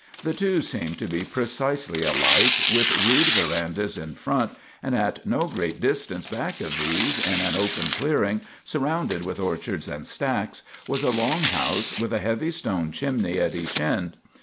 The two seemed to be precisely alike, with rude verandas in front, and at no great distance back of these, in an open clearing, surrounded with orchards and stacks, was a long house with a heavy stone chimney at each end.